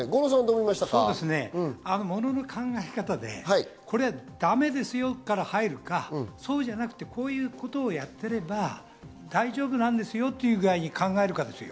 ものの考え方で、これダメですよから入るか、そうじゃなくて、こういうことやっていれば大丈夫なんですよっていう具合に考えるかですよ。